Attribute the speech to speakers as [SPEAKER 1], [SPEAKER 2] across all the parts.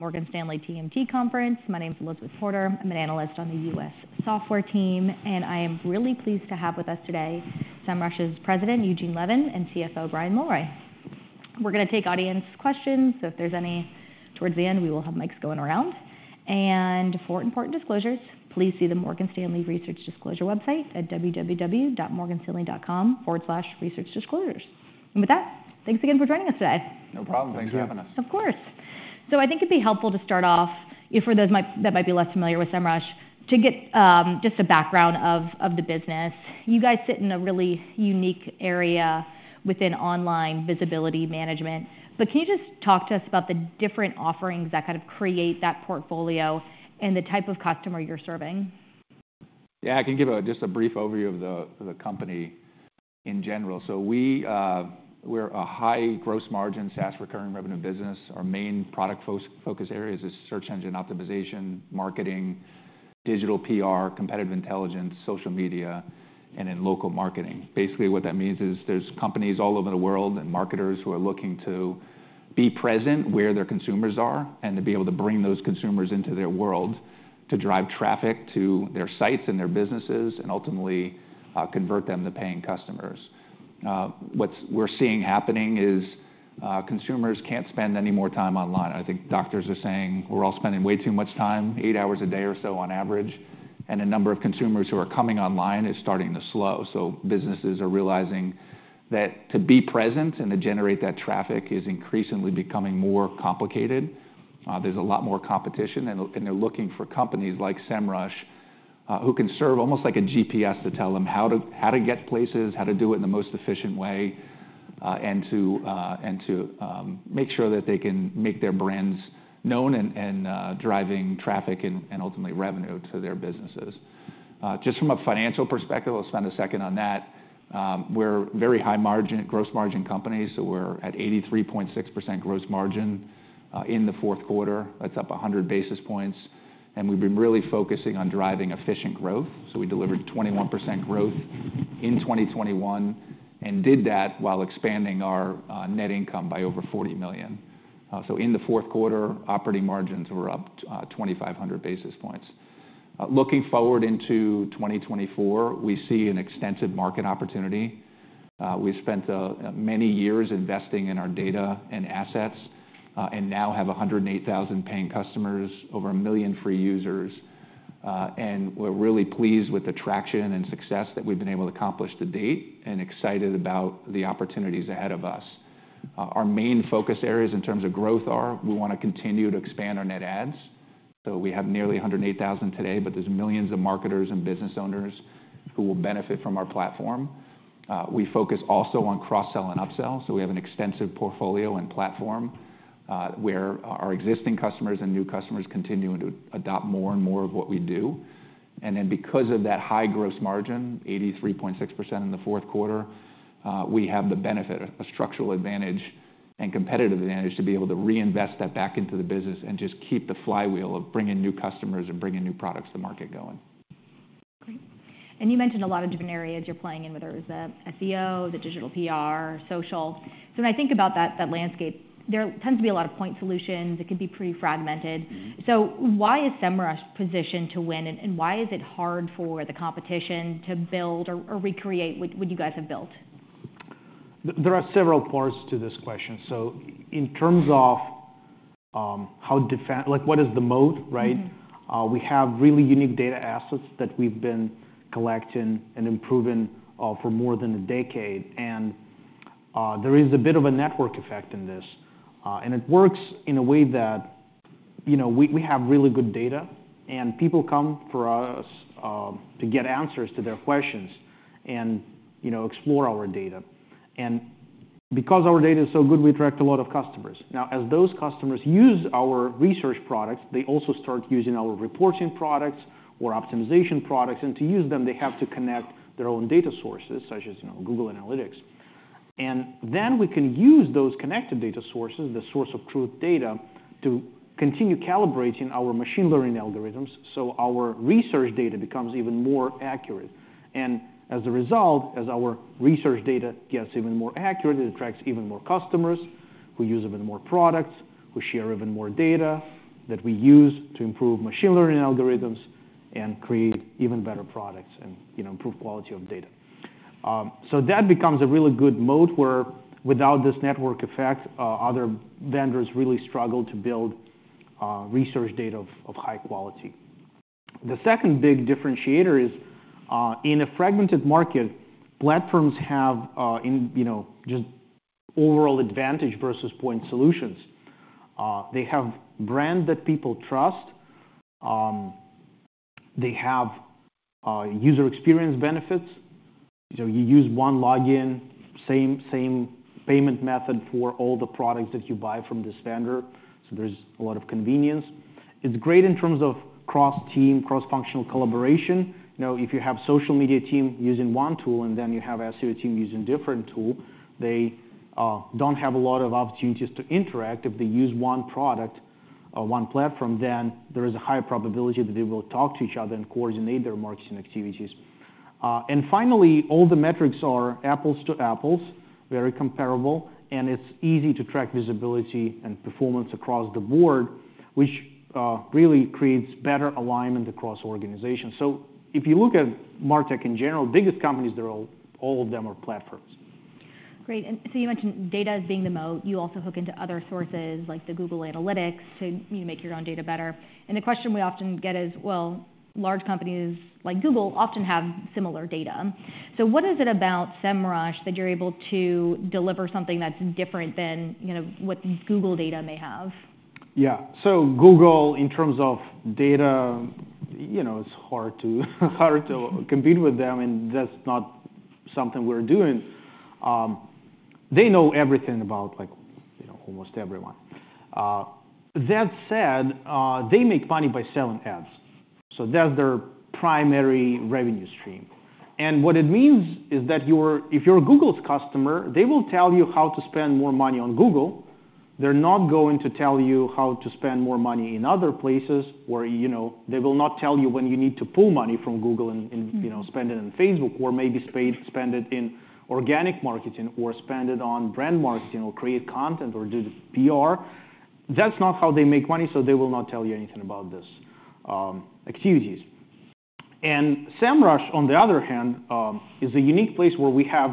[SPEAKER 1] Morgan Stanley TMT Conference. My name's Elizabeth Porter. I'm an analyst on the US software team, and I am really pleased to have with us today SEMrush's President Eugene Levin and CFO Brian Mulroy. We're going to take audience questions, so if there's any towards the end, we will have mics going around. And for important disclosures, please see the Morgan Stanley Research Disclosure website at www.morganstanley.com/researchdisclosures. And with that, thanks again for joining us today.
[SPEAKER 2] No problem. Thanks for having us.
[SPEAKER 1] Of course. I think it'd be helpful to start off, for those that might be less familiar with SEMrush, to get just a background of the business. You guys sit in a really unique area within online visibility management, but can you just talk to us about the different offerings that kind of create that portfolio and the type of customer you're serving?
[SPEAKER 2] Yeah, I can give just a brief overview of the company in general. So we're a high gross margin SaaS recurring revenue business. Our main product focus areas are search engine optimization, marketing, digital PR, competitive intelligence, social media, and then local marketing. Basically, what that means is there's companies all over the world and marketers who are looking to be present where their consumers are and to be able to bring those consumers into their world to drive traffic to their sites and their businesses and ultimately convert them to paying customers. What we're seeing happening is consumers can't spend any more time online. I think doctors are saying we're all spending way too much time, eight hours a day or so on average, and the number of consumers who are coming online is starting to slow. So businesses are realizing that to be present and to generate that traffic is increasingly becoming more complicated. There's a lot more competition, and they're looking for companies like SEMrush who can serve almost like a GPS to tell them how to get places, how to do it in the most efficient way, and to make sure that they can make their brands known and driving traffic and ultimately revenue to their businesses. Just from a financial perspective, I'll spend a second on that. We're very high margin, gross margin companies, so we're at 83.6% gross margin in the fourth quarter. That's up 100 basis points. And we've been really focusing on driving efficient growth. So we delivered 21% growth in 2021 and did that while expanding our net income by over $40 million. So in the fourth quarter, operating margins were up 2,500 basis points. Looking forward into 2024, we see an extensive market opportunity. We've spent many years investing in our data and assets and now have 108,000 paying customers, over 1 million free users. We're really pleased with the traction and success that we've been able to accomplish to date and excited about the opportunities ahead of us. Our main focus areas in terms of growth are we want to continue to expand our net adds. So we have nearly 108,000 today, but there's millions of marketers and business owners who will benefit from our platform. We focus also on cross-sell and upsell. So we have an extensive portfolio and platform where our existing customers and new customers continue to adopt more and more of what we do. And then because of that high gross margin, 83.6% in the fourth quarter, we have the benefit, a structural advantage and competitive advantage to be able to reinvest that back into the business and just keep the flywheel of bringing new customers and bringing new products to the market going.
[SPEAKER 1] Great. You mentioned a lot of different areas you're playing in, whether it was the SEO, the digital PR, social. When I think about that landscape, there tends to be a lot of point solutions. It could be pretty fragmented. Why is SEMrush positioned to win, and why is it hard for the competition to build or recreate what you guys have built?
[SPEAKER 2] There are several parts to this question. In terms of how defend what is the moat, right? We have really unique data assets that we've been collecting and improving for more than a decade. There is a bit of a network effect in this. It works in a way that we have really good data, and people come for us to get answers to their questions and explore our data. Because our data is so good, we attract a lot of customers. Now, as those customers use our research products, they also start using our reporting products or optimization products. To use them, they have to connect their own data sources, such as Google Analytics. Then we can use those connected data sources, the source of truth data, to continue calibrating our machine learning algorithms so our research data becomes even more accurate. As a result, as our research data gets even more accurate, it attracts even more customers who use even more products, who share even more data that we use to improve machine learning algorithms and create even better products and improve quality of data. So that becomes a really good moat where, without this network effect, other vendors really struggle to build research data of high quality. The second big differentiator is, in a fragmented market, platforms have just overall advantage versus point solutions. They have brands that people trust. They have user experience benefits. You use one login, same payment method for all the products that you buy from this vendor. So there's a lot of convenience. It's great in terms of cross-team, cross-functional collaboration. If you have a social media team using one tool and then you have an SEO team using a different tool, they don't have a lot of opportunities to interact. If they use one product, one platform, then there is a higher probability that they will talk to each other and coordinate their marketing activities. Finally, all the metrics are apples to apples, very comparable, and it's easy to track visibility and performance across the board, which really creates better alignment across organizations. If you look at MarTech in general, biggest companies, all of them are platforms.
[SPEAKER 1] Great. And so you mentioned data as being the moat. You also hook into other sources like the Google Analytics to make your own data better. And the question we often get is, well, large companies like Google often have similar data. So what is it about SEMrush that you're able to deliver something that's different than what Google data may have? Yeah. So Google, in terms of data, it's hard to compete with them, and that's not something we're doing. They know everything about almost everyone. That said, they make money by selling ads. So that's their primary revenue stream. And what it means is that if you're Google's customer, they will tell you how to spend more money on Google. They're not going to tell you how to spend more money in other places, where they will not tell you when you need to pull money from Google and spend it in Facebook or maybe spend it in organic marketing or spend it on brand marketing or create content or do PR. That's not how they make money, so they will not tell you anything about these activities. SEMrush, on the other hand, is a unique place where we have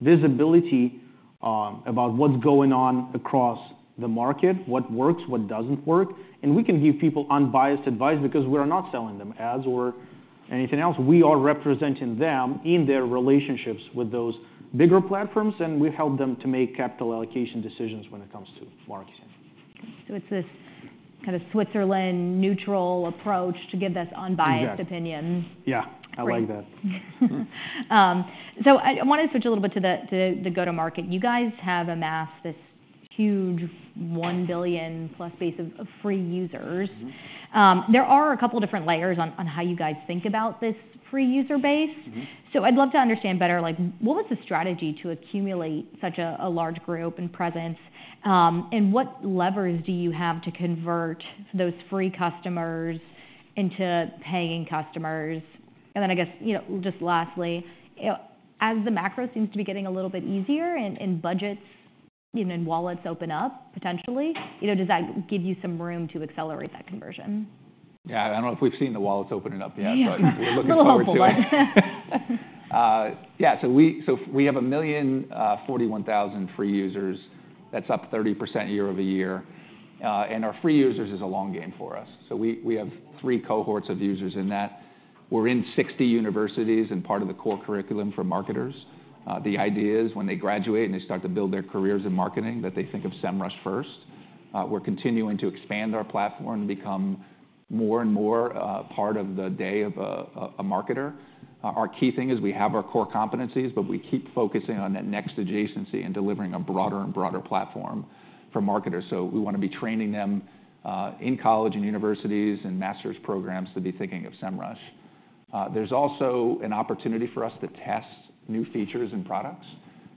[SPEAKER 1] visibility about what's going on across the market, what works, what doesn't work. We can give people unbiased advice because we are not selling them ads or anything else. We are representing them in their relationships with those bigger platforms, and we help them to make capital allocation decisions when it comes to marketing. It's this kind of Switzerland-neutral approach to give this unbiased opinion.
[SPEAKER 2] Exactly. Yeah. I like that.
[SPEAKER 1] So I want to switch a little bit to the go-to-market. You guys have amassed this huge $1 billion-plus base of free users. There are a couple of different layers on how you guys think about this free user base. So I'd love to understand better, what was the strategy to accumulate such a large group and presence, and what levers do you have to convert those free customers into paying customers? And then I guess, just lastly, as the macro seems to be getting a little bit easier and budgets and wallets open up potentially, does that give you some room to accelerate that conversion? Yeah. I don't know if we've seen the wallets opening up yet, but we're looking forward to it. Yeah. So we have 1,041,000 free users. That's up 30% year-over-year. Our free users is a long game for us. So we have three cohorts of users in that. We're in 60 universities and part of the core curriculum for marketers. The idea is, when they graduate and they start to build their careers in marketing, that they think of SEMrush first. We're continuing to expand our platform to become more and more part of the day of a marketer. Our key thing is we have our core competencies, but we keep focusing on that next adjacency and delivering a broader and broader platform for marketers. So we want to be training them in college and universities and master's programs to be thinking of SEMrush. There's also an opportunity for us to test new features and products.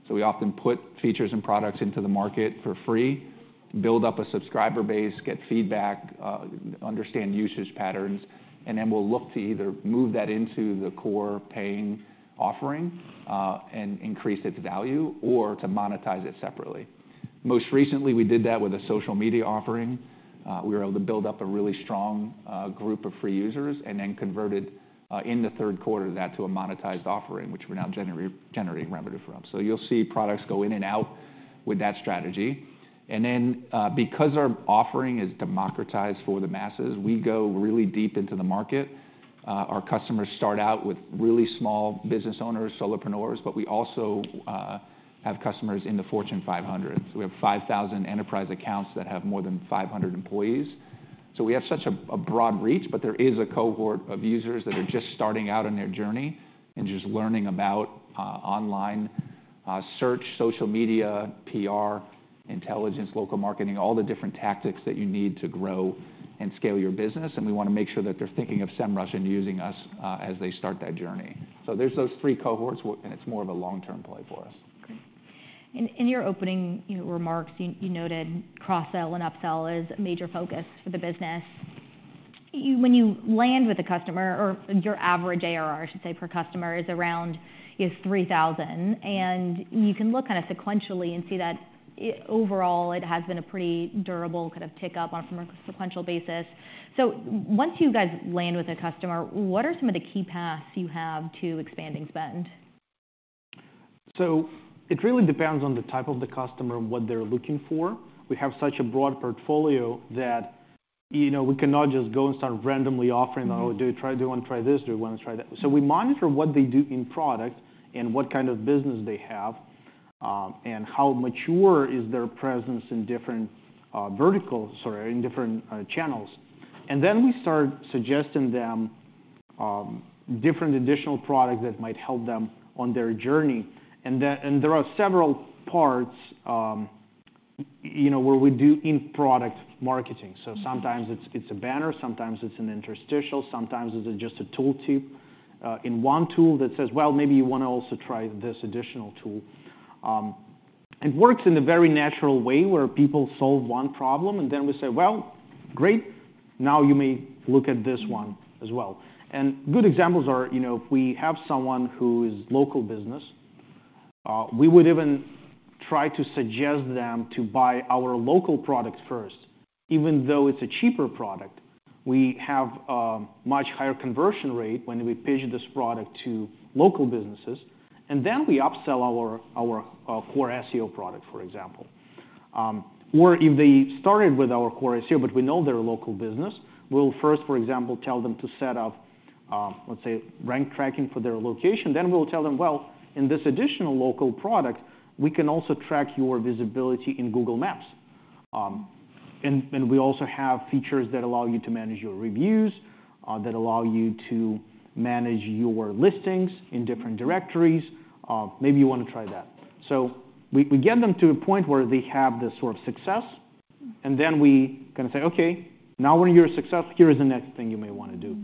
[SPEAKER 1] So we often put features and products into the market for free, build up a subscriber base, get feedback, understand usage patterns, and then we'll look to either move that into the core paying offering and increase its value or to monetize it separately. Most recently, we did that with a social media offering. We were able to build up a really strong group of free users and then converted, in the third quarter, that to a monetized offering, which we're now generating revenue from. So you'll see products go in and out with that strategy. And then because our offering is democratized for the masses, we go really deep into the market. Our customers start out with really small business owners, solopreneurs, but we also have customers in the Fortune 500. We have 5,000 enterprise accounts that have more than 500 employees. We have such a broad reach, but there is a cohort of users that are just starting out on their journey and just learning about online search, social media, PR, intelligence, local marketing, all the different tactics that you need to grow and scale your business. And we want to make sure that they're thinking of SEMrush and using us as they start that journey. There's those three cohorts, and it's more of a long-term play for us. Great. And in your opening remarks, you noted cross-sell and upsell as a major focus for the business. When you land with a customer, or your average ARR, I should say, per customer is around $3,000. And you can look kind of sequentially and see that, overall, it has been a pretty durable kind of tick-up on a sequential basis. So once you guys land with a customer, what are some of the key paths you have to expanding spend? It really depends on the type of the customer and what they're looking for. We have such a broad portfolio that we cannot just go and start randomly offering, "Oh, do you want to try this? Do you want to try that?" We monitor what they do in product and what kind of business they have and how mature is their presence in different verticals sorry, in different channels. Then we start suggesting them different additional products that might help them on their journey. There are several parts where we do in-product marketing. Sometimes it's a banner. Sometimes it's an interstitial. Sometimes it's just a tooltip in one tool that says, "Well, maybe you want to also try this additional tool." It works in a very natural way where people solve one problem, and then we say, "Well, great. Now you may look at this one as well." Good examples are if we have someone who is local business, we would even try to suggest them to buy our local product first. Even though it's a cheaper product, we have a much higher conversion rate when we pitch this product to local businesses. Then we upsell our core SEO product, for example. Or if they started with our core SEO, but we know they're a local business, we'll first, for example, tell them to set up, let's say, rank tracking for their location. Then we'll tell them, "Well, in this additional local product, we can also track your visibility in Google Maps. And we also have features that allow you to manage your reviews, that allow you to manage your listings in different directories. Maybe you want to try that." So we get them to a point where they have this sort of success, and then we kind of say, "OK, now when you're a success, here is the next thing you may want to do."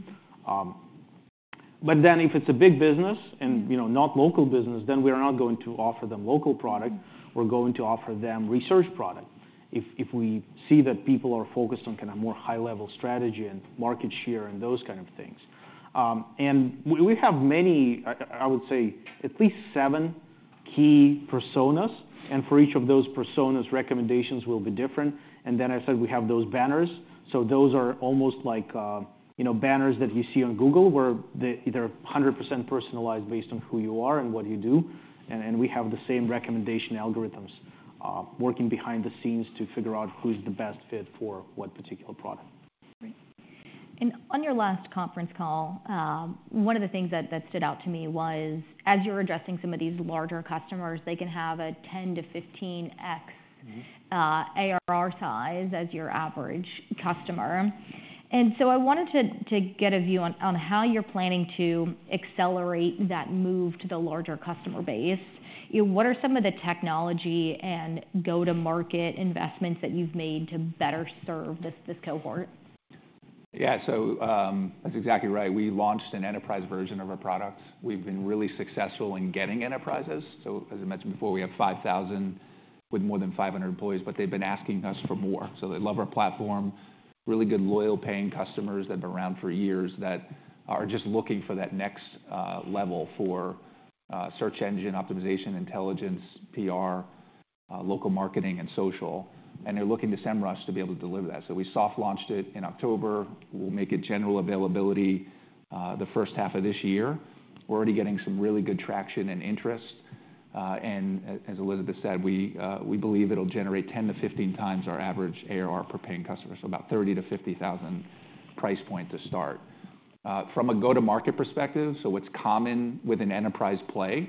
[SPEAKER 1] But then if it's a big business and not local business, then we are not going to offer them local product. We're going to offer them research product if we see that people are focused on kind of more high-level strategy and market share and those kind of things. And we have many, I would say, at least seven key personas. And for each of those personas, recommendations will be different. And then I said we have those banners. So those are almost like banners that you see on Google where they're 100% personalized based on who you are and what you do. We have the same recommendation algorithms working behind the scenes to figure out who's the best fit for what particular product. Great. On your last conference call, one of the things that stood out to me was, as you're addressing some of these larger customers, they can have a 10-15x ARR size as your average customer. So I wanted to get a view on how you're planning to accelerate that move to the larger customer base. What are some of the technology and go-to-market investments that you've made to better serve this cohort?
[SPEAKER 2] Yeah. So that's exactly right. We launched an enterprise version of our products. We've been really successful in getting enterprises. So as I mentioned before, we have 5,000 with more than 500 employees, but they've been asking us for more. So they love our platform, really good loyal paying customers that have been around for years that are just looking for that next level for search engine optimization, intelligence, PR, local marketing, and social. And they're looking to SEMrush to be able to deliver that. So we soft-launched it in October. We'll make it general availability the first half of this year. We're already getting some really good traction and interest. And as Elizabeth said, we believe it'll generate 10-15 times our average ARR per paying customer, so about $30,000-$50,000 price point to start. From a go-to-market perspective, so what's common with an enterprise play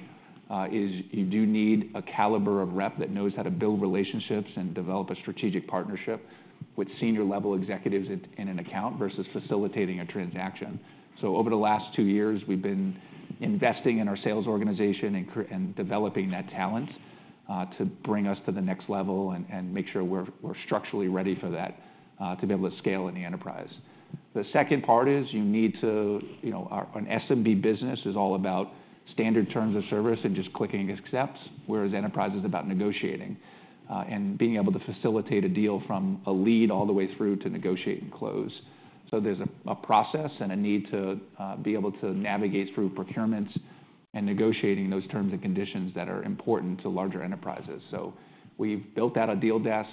[SPEAKER 2] is you do need a caliber of rep that knows how to build relationships and develop a strategic partnership with senior-level executives in an account versus facilitating a transaction. So over the last 2 years, we've been investing in our sales organization and developing that talent to bring us to the next level and make sure we're structurally ready for that to be able to scale in the enterprise. The second part is you need to an SMB business is all about standard terms of service and just clicking accepts, whereas enterprise is about negotiating and being able to facilitate a deal from a lead all the way through to negotiate and close. So there's a process and a need to be able to navigate through procurements and negotiating those terms and conditions that are important to larger enterprises. So we've built out a deal desk.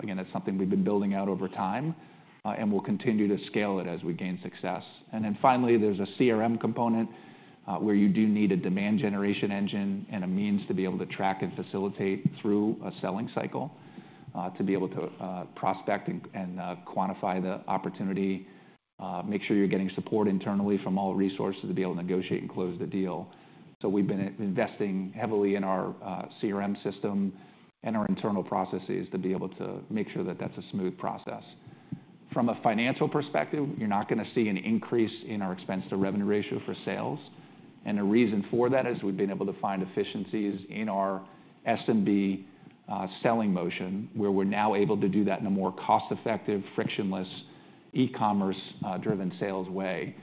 [SPEAKER 2] Again, that's something we've been building out over time, and we'll continue to scale it as we gain success. And then finally, there's a CRM component where you do need a demand generation engine and a means to be able to track and facilitate through a selling cycle to be able to prospect and quantify the opportunity, make sure you're getting support internally from all resources to be able to negotiate and close the deal. So we've been investing heavily in our CRM system and our internal processes to be able to make sure that that's a smooth process. From a financial perspective, you're not going to see an increase in our expense-to-revenue ratio for sales. The reason for that is we've been able to find efficiencies in our SMB selling motion, where we're now able to do that in a more cost-effective, frictionless, e-commerce-driven sales way.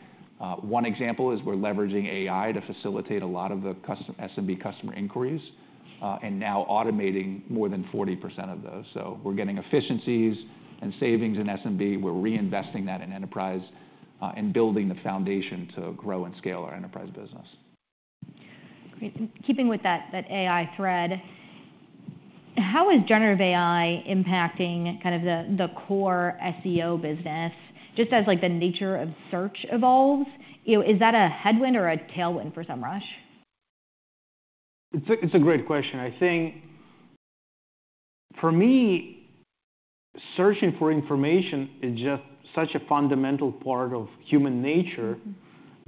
[SPEAKER 2] One example is we're leveraging AI to facilitate a lot of the SMB customer inquiries and now automating more than 40% of those. We're getting efficiencies and savings in SMB. We're reinvesting that in enterprise and building the foundation to grow and scale our enterprise business.
[SPEAKER 1] Great. Keeping with that AI thread, how is generative AI impacting kind of the core SEO business, just as the nature of search evolves? Is that a headwind or a tailwind for SEMrush?
[SPEAKER 2] It's a great question. I think, for me, searching for information is just such a fundamental part of human nature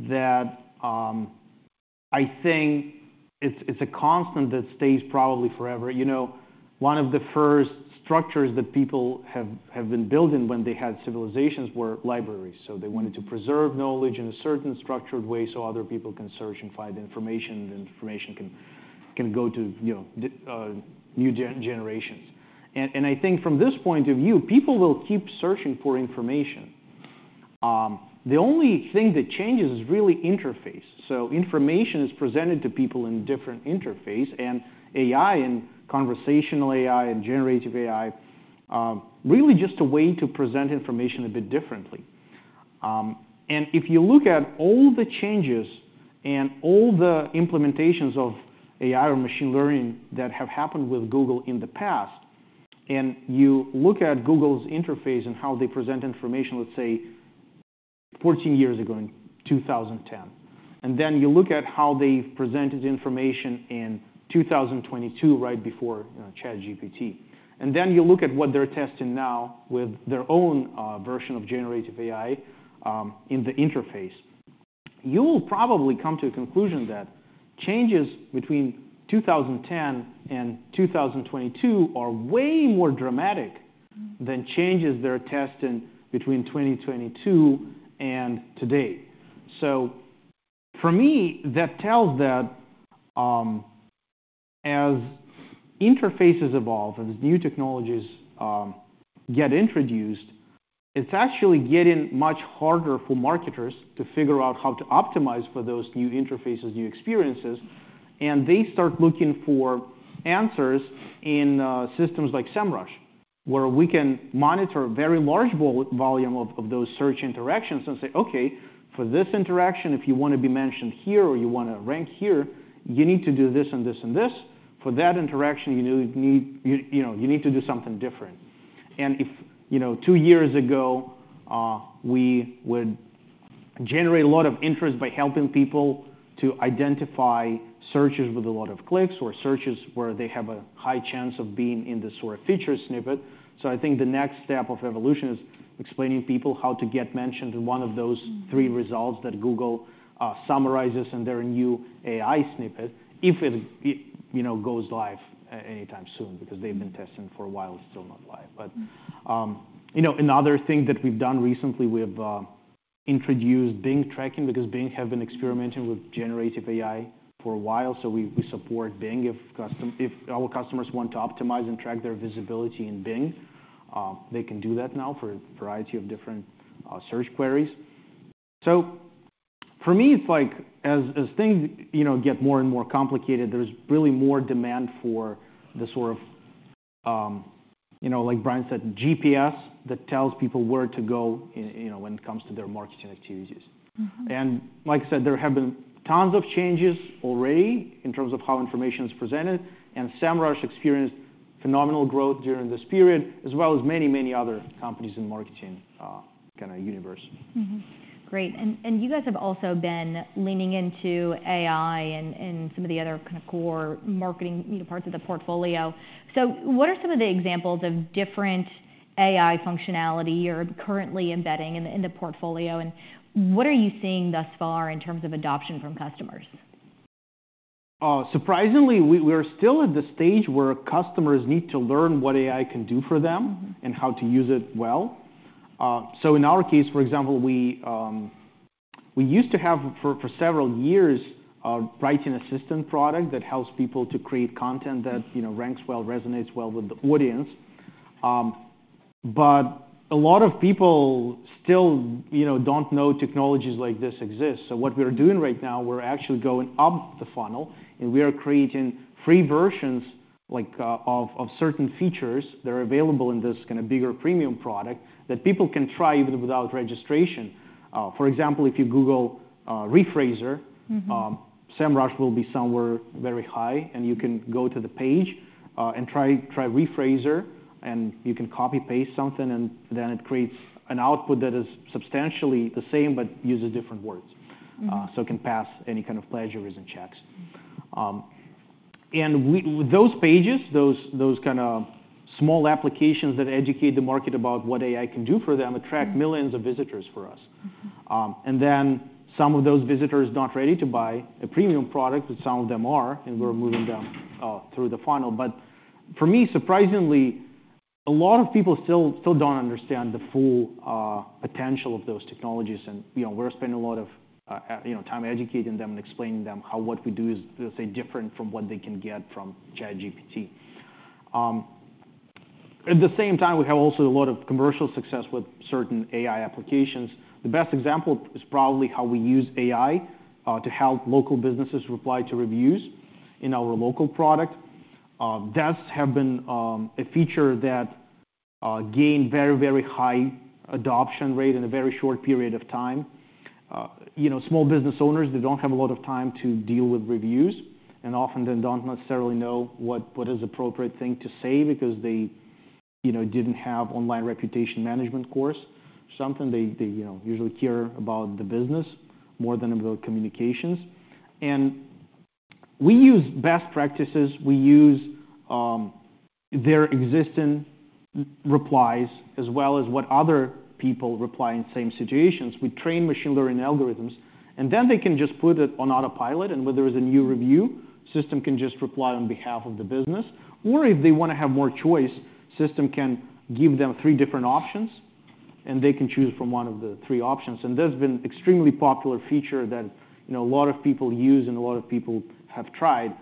[SPEAKER 2] that I think it's a constant that stays probably forever. One of the first structures that people have been building when they had civilizations were libraries. So they wanted to preserve knowledge in a certain structured way so other people can search and find information, and information can go to new generations. And I think, from this point of view, people will keep searching for information. The only thing that changes is really interface. So information is presented to people in different interface. And AI, and conversational AI, and generative AI, really just a way to present information a bit differently. If you look at all the changes and all the implementations of AI or machine learning that have happened with Google in the past, and you look at Google's interface and how they present information, let's say, 14 years ago, in 2010, and then you look at how they've presented information in 2022, right before ChatGPT, and then you look at what they're testing now with their own version of generative AI in the interface, you will probably come to a conclusion that changes between 2010 and 2022 are way more dramatic than changes they're testing between 2022 and today. So for me, that tells that, as interfaces evolve, as new technologies get introduced, it's actually getting much harder for marketers to figure out how to optimize for those new interfaces, new experiences. They start looking for answers in systems like SEMrush, where we can monitor a very large volume of those search interactions and say, "OK, for this interaction, if you want to be mentioned here or you want to rank here, you need to do this and this and this. For that interaction, you need to do something different." If two years ago, we would generate a lot of interest by helping people to identify searches with a lot of clicks or searches where they have a high chance of being in this sort of feature snippet. I think the next step of evolution is explaining people how to get mentioned in one of those three results that Google summarizes in their new AI snippet, if it goes live anytime soon, because they've been testing for a while. It's still not live. But another thing that we've done recently, we've introduced Bing tracking, because Bing have been experimenting with generative AI for a while. So we support Bing. If our customers want to optimize and track their visibility in Bing, they can do that now for a variety of different search queries. So for me, it's like, as things get more and more complicated, there's really more demand for the sort of, like Brian said, GPS that tells people where to go when it comes to their marketing activities. And like I said, there have been tons of changes already in terms of how information is presented. And SEMrush experienced phenomenal growth during this period, as well as many, many other companies in the marketing kind of universe.
[SPEAKER 1] Great. And you guys have also been leaning into AI and some of the other kind of core marketing parts of the portfolio. So what are some of the examples of different AI functionality you're currently embedding in the portfolio? And what are you seeing thus far in terms of adoption from customers?
[SPEAKER 2] Surprisingly, we are still at the stage where customers need to learn what AI can do for them and how to use it well. So in our case, for example, we used to have, for several years, a writing assistant product that helps people to create content that ranks well, resonates well with the audience. But a lot of people still don't know technologies like this exist. So what we are doing right now, we're actually going up the funnel. We are creating free versions of certain features that are available in this kind of bigger premium product that people can try even without registration. For example, if you Google "Rephraser," SEMrush will be somewhere very high. And you can go to the page and try "Rephraser." And you can copy-paste something. And then it creates an output that is substantially the same but uses different words. So it can pass any kind of plagiarism checks. And those pages, those kind of small applications that educate the market about what AI can do for them, attract millions of visitors for us. And then some of those visitors are not ready to buy a premium product, but some of them are. And we're moving them through the funnel. But for me, surprisingly, a lot of people still don't understand the full potential of those technologies. And we're spending a lot of time educating them and explaining to them how what we do is, let's say, different from what they can get from ChatGPT. At the same time, we have also a lot of commercial success with certain AI applications. The best example is probably how we use AI to help local businesses reply to reviews in our local product. That's been a feature that gained a very, very high adoption rate in a very short period of time. Small business owners, they don't have a lot of time to deal with reviews and often then don't necessarily know what is the appropriate thing to say because they didn't have an online reputation management course or something. They usually care about the business more than about communications. And we use best practices. We use their existing replies as well as what other people reply in the same situations. We train machine learning algorithms. And then they can just put it on autopilot. And when there is a new review, the system can just reply on behalf of the business. Or if they want to have more choice, the system can give them three different options. And they can choose from one of the three options. That's been an extremely popular feature that a lot of people use and a lot of people have tried.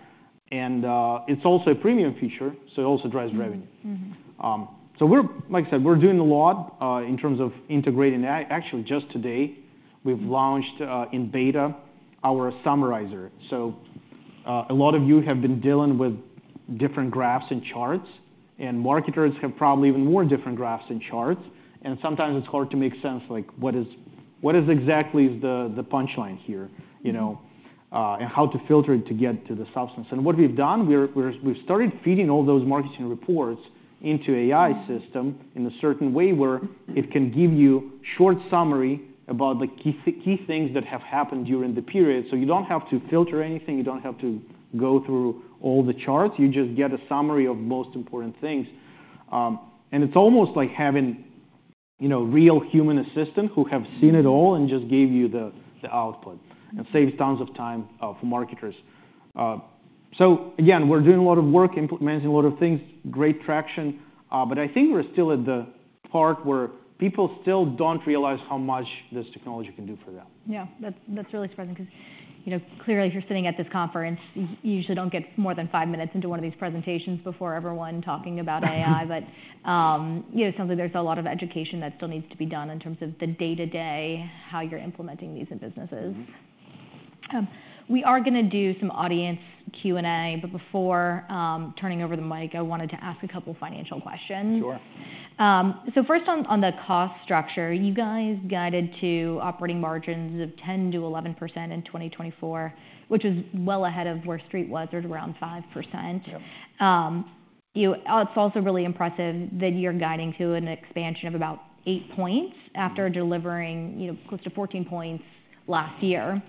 [SPEAKER 2] And it's also a premium feature. So it also drives revenue. So like I said, we're doing a lot in terms of integrating AI. Actually, just today, we've launched in beta our summarizer. So a lot of you have been dealing with different graphs and charts. And marketers have probably even more different graphs and charts. And sometimes it's hard to make sense, like, what exactly is the punchline here and how to filter it to get to the substance. And what we've done, we've started feeding all those marketing reports into the AI system in a certain way where it can give you a short summary about the key things that have happened during the period. So you don't have to filter anything. You don't have to go through all the charts. You just get a summary of the most important things. It's almost like having a real human assistant who has seen it all and just gave you the output and saves tons of time for marketers. Again, we're doing a lot of work, implementing a lot of things, great traction. But I think we're still at the part where people still don't realize how much this technology can do for them.
[SPEAKER 1] Yeah. That's really surprising, because clearly, if you're sitting at this conference, you usually don't get more than five minutes into one of these presentations before everyone is talking about AI. But it sounds like there's a lot of education that still needs to be done in terms of the day-to-day, how you're implementing these in businesses. We are going to do some audience Q&A. But before turning over the mic, I wanted to ask a couple of financial questions.
[SPEAKER 2] Sure.
[SPEAKER 1] So first, on the cost structure, you guys guided to operating margins of 10%-11% in 2024, which was well ahead of where Street was, around 5%. It's also really impressive that you're guiding to an expansion of about 8 points after delivering close to 14 points last year.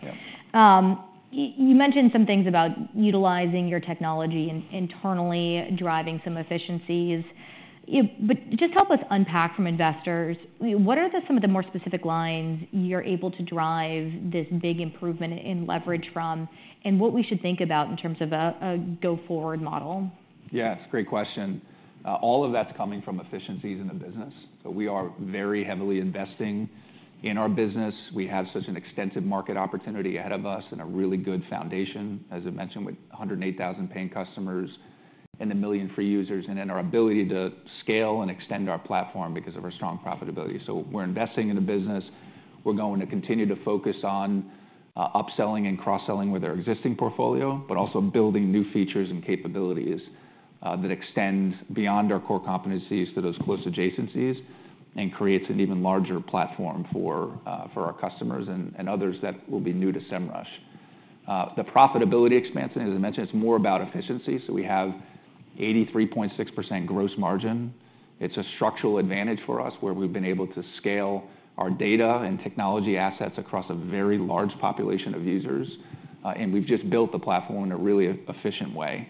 [SPEAKER 1] You mentioned some things about utilizing your technology internally, driving some efficiencies. But just help us unpack, from investors, what are some of the more specific lines you're able to drive this big improvement in leverage from and what we should think about in terms of a go-forward model?
[SPEAKER 2] Yes. Great question. All of that's coming from efficiencies in the business. So we are very heavily investing in our business. We have such an extensive market opportunity ahead of us and a really good foundation, as I mentioned, with 108,000 paying customers and 1 million free users and in our ability to scale and extend our platform because of our strong profitability. So we're investing in the business. We're going to continue to focus on upselling and cross-selling with our existing portfolio, but also building new features and capabilities that extend beyond our core competencies to those close adjacencies and create an even larger platform for our customers and others that will be new to SEMrush. The profitability expansion, as I mentioned, it's more about efficiency. So we have an 83.6% gross margin. It's a structural advantage for us, where we've been able to scale our data and technology assets across a very large population of users. We've just built the platform in a really efficient way.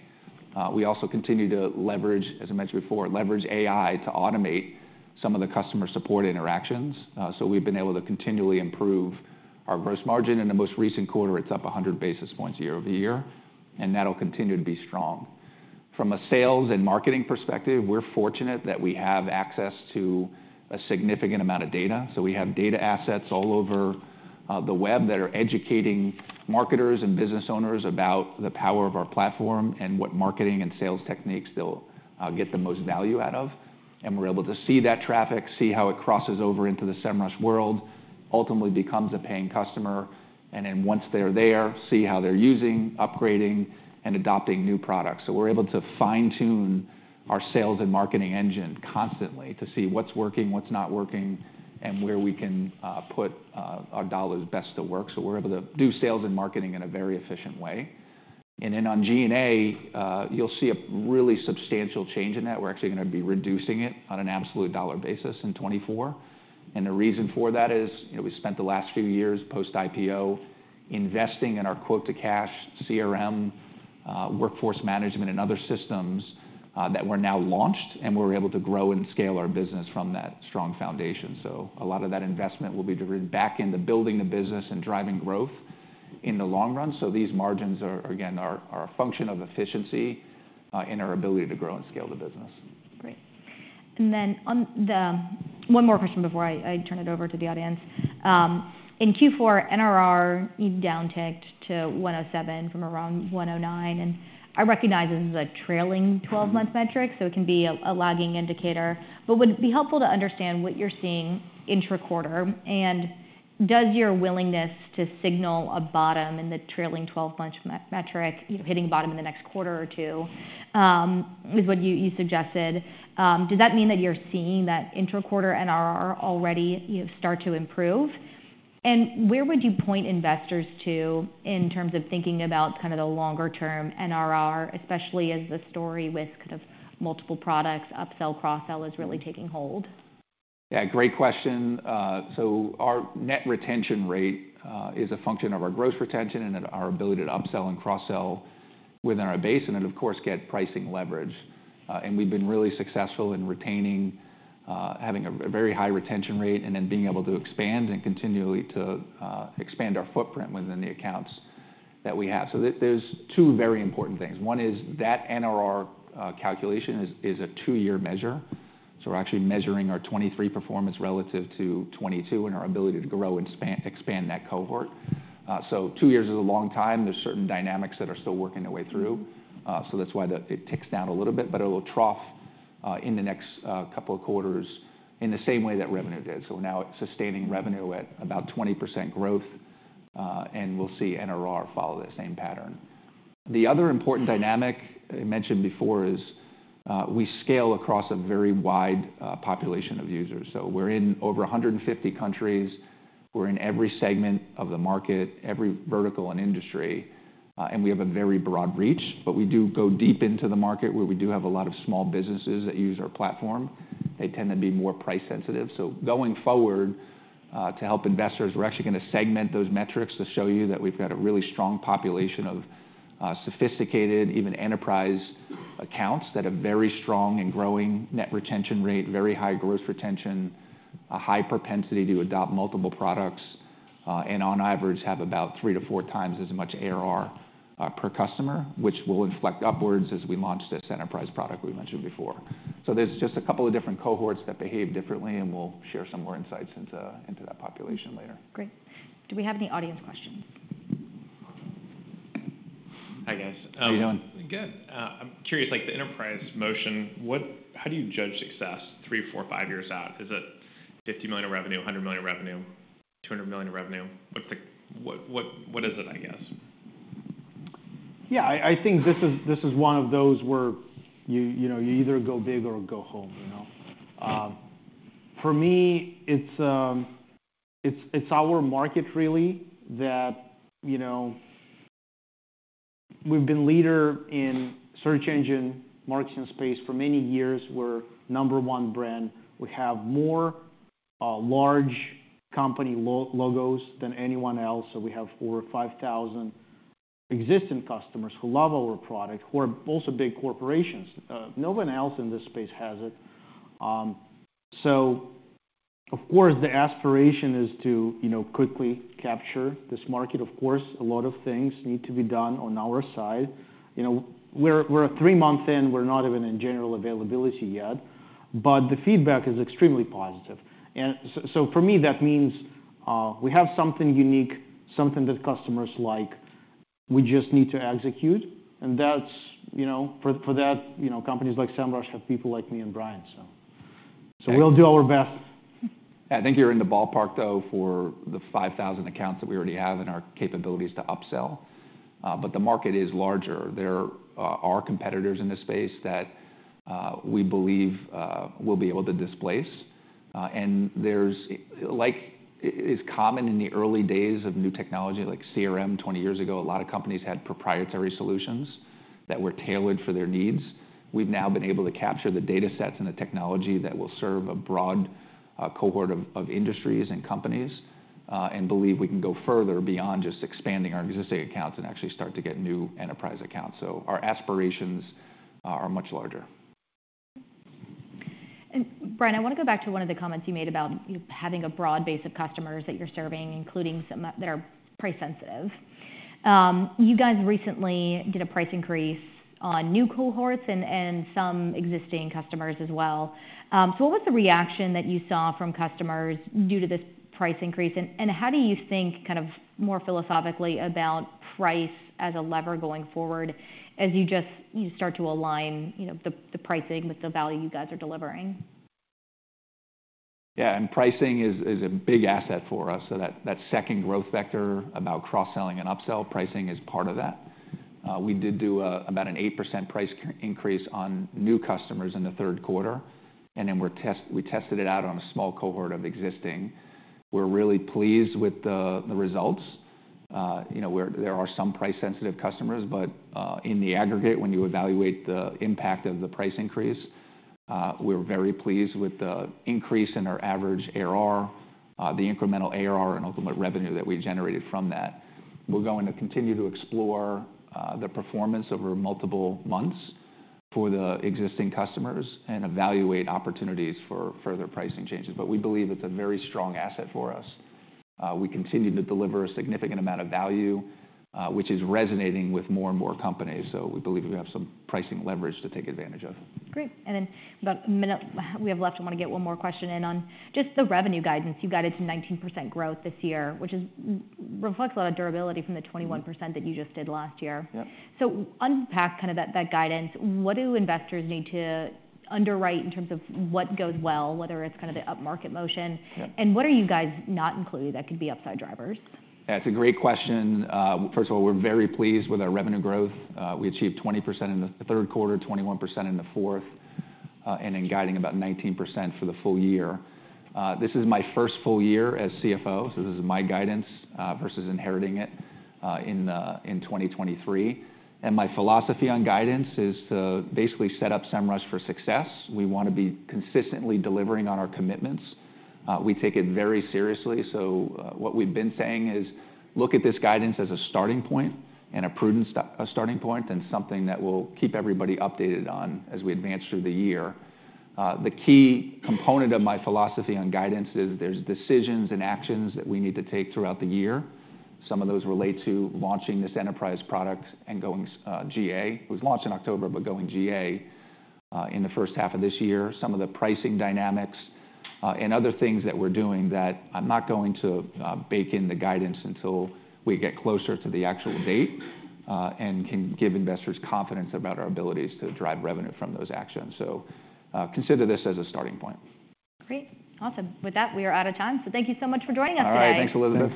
[SPEAKER 2] We also continue to leverage, as I mentioned before, leverage AI to automate some of the customer support interactions. We've been able to continually improve our gross margin. In the most recent quarter, it's up 100 basis points year-over-year. That'll continue to be strong. From a sales and marketing perspective, we're fortunate that we have access to a significant amount of data. We have data assets all over the web that are educating marketers and business owners about the power of our platform and what marketing and sales techniques they'll get the most value out of. We're able to see that traffic, see how it crosses over into the SEMrush world, ultimately becomes a paying customer. Then once they're there, see how they're using, upgrading, and adopting new products. We're able to fine-tune our sales and marketing engine constantly to see what's working, what's not working, and where we can put our dollars best to work. So we're able to do sales and marketing in a very efficient way. Then on G&A, you'll see a really substantial change in that. We're actually going to be reducing it on an absolute dollar basis in 2024. The reason for that is we spent the last few years post-IPO investing in our Quote-to-Cash CRM, Workforce Management, and other systems that were now launched. We're able to grow and scale our business from that strong foundation. A lot of that investment will be directed back into building the business and driving growth in the long run. These margins, again, are a function of efficiency in our ability to grow and scale the business.
[SPEAKER 1] Great. Then one more question before I turn it over to the audience. In Q4, NRR downticked to 107 from around 109. I recognize this is a trailing 12-month metric. It can be a lagging indicator. But would it be helpful to understand what you're seeing intra-quarter? Does your willingness to signal a bottom in the trailing 12-month metric, hitting a bottom in the next quarter or two, is what you suggested? Does that mean that you're seeing that intra-quarter NRR already start to improve? Where would you point investors to in terms of thinking about kind of the longer-term NRR, especially as the story with kind of multiple products, upsell, cross-sell is really taking hold?
[SPEAKER 2] Yeah. Great question. So our net retention rate is a function of our gross retention and our ability to upsell and cross-sell within our base and, of course, get pricing leverage. We've been really successful in having a very high retention rate and then being able to expand and continually to expand our footprint within the accounts that we have. So there's two very important things. One is that NRR calculation is a two-year measure. So we're actually measuring our 2023 performance relative to 2022 and our ability to grow and expand that cohort. So two years is a long time. There's certain dynamics that are still working their way through. So that's why it ticks down a little bit. But it will trough in the next couple of quarters in the same way that revenue did. So we're now sustaining revenue at about 20% growth. We'll see NRR follow the same pattern. The other important dynamic I mentioned before is we scale across a very wide population of users. So we're in over 150 countries. We're in every segment of the market, every vertical and industry. And we have a very broad reach. But we do go deep into the market, where we do have a lot of small businesses that use our platform. They tend to be more price-sensitive. So going forward, to help investors, we're actually going to segment those metrics to show you that we've got a really strong population of sophisticated, even enterprise accounts that have a very strong and growing net retention rate, very high gross retention, a high propensity to adopt multiple products, and on average have about 3-4 times as much ARR per customer, which will inflect upwards as we launch this enterprise product we mentioned before. There's just a couple of different cohorts that behave differently. We'll share some more insights into that population later.
[SPEAKER 1] Great. Do we have any audience questions?
[SPEAKER 3] Hi, guys.
[SPEAKER 2] How are you doing?
[SPEAKER 3] Good. I'm curious. The enterprise motion, how do you judge success three, four, five years out? Is it $50 million revenue, $100 million revenue, $200 million revenue? What is it, I guess?
[SPEAKER 2] Yeah. I think this is one of those where you either go big or go home. For me, it's our market, really, that we've been a leader in the search engine marketing space for many years. We're the number one brand. We have more large company logos than anyone else. So we have 4,000 or 5,000 existing customers who love our product, who are also big corporations. No one else in this space has it. So of course, the aspiration is to quickly capture this market. Of course, a lot of things need to be done on our side. We're 3 months in. We're not even in general availability yet. But the feedback is extremely positive. And so for me, that means we have something unique, something that customers like. We just need to execute. And for that, companies like SEMrush have people like me and Brian. We'll do our best.
[SPEAKER 3] Yeah. I think you're in the ballpark, though, for the 5,000 accounts that we already have and our capabilities to upsell. But the market is larger. There are competitors in this space that we believe we'll be able to displace. And like it is common in the early days of new technology, like CRM 20 years ago, a lot of companies had proprietary solutions that were tailored for their needs. We've now been able to capture the data sets and the technology that will serve a broad cohort of industries and companies and believe we can go further beyond just expanding our existing accounts and actually start to get new enterprise accounts. So our aspirations are much larger.
[SPEAKER 1] Brian, I want to go back to one of the comments you made about having a broad base of customers that you're serving, including some that are price-sensitive. You guys recently did a price increase on new cohorts and some existing customers as well. What was the reaction that you saw from customers due to this price increase? How do you think, kind of more philosophically, about price as a lever going forward as you just start to align the pricing with the value you guys are delivering?
[SPEAKER 2] Yeah. Pricing is a big asset for us. That second growth vector about cross-selling and upsell, pricing is part of that. We did do about an 8% price increase on new customers in the third quarter. Then we tested it out on a small cohort of existing. We're really pleased with the results. There are some price-sensitive customers. In the aggregate, when you evaluate the impact of the price increase, we're very pleased with the increase in our average ARR, the incremental ARR, and ultimately revenue that we generated from that. We're going to continue to explore the performance over multiple months for the existing customers and evaluate opportunities for further pricing changes. We believe it's a very strong asset for us. We continue to deliver a significant amount of value, which is resonating with more and more companies. We believe we have some pricing leverage to take advantage of.
[SPEAKER 1] Great. Then about a minute we have left, I want to get one more question in on just the revenue guidance. You guided to 19% growth this year, which reflects a lot of durability from the 21% that you just did last year. So unpack kind of that guidance. What do investors need to underwrite in terms of what goes well, whether it's kind of the upmarket motion? And what are you guys not including that could be upside drivers?
[SPEAKER 2] Yeah. It's a great question. First of all, we're very pleased with our revenue growth. We achieved 20% in the third quarter, 21% in the fourth, and in guiding about 19% for the full year. This is my first full year as CFO. So this is my guidance versus inheriting it in 2023. And my philosophy on guidance is to basically set up SEMrush for success. We want to be consistently delivering on our commitments. We take it very seriously. So what we've been saying is, look at this guidance as a starting point and a prudent starting point and something that will keep everybody updated on as we advance through the year. The key component of my philosophy on guidance is there's decisions and actions that we need to take throughout the year. Some of those relate to launching this enterprise product and going GA. It was launched in October, but going GA in the first half of this year, some of the pricing dynamics, and other things that we're doing that I'm not going to bake in the guidance until we get closer to the actual date and can give investors confidence about our abilities to drive revenue from those actions. So consider this as a starting point.
[SPEAKER 1] Great. Awesome. With that, we are out of time. So thank you so much for joining us today.
[SPEAKER 2] All right. Thanks Elizabeth.